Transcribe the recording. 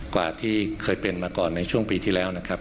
กว่าที่เคยเป็นมาก่อนในช่วงปีที่แล้วนะครับ